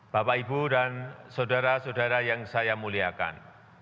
bapak ibu dan saudara saudara yang saya muliakan